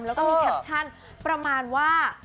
แล้วก็มีแคปชั่นประมาณว่า